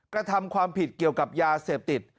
กระทำความผิดเกี่ยวกับยาเสพติด